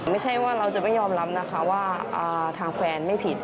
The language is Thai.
ไม่ใช่ว่าเราจะไม่ยอมรับนะคะว่าทางแฟนไม่ผิด